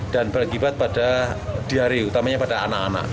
berakibat pada diare utamanya pada anak anak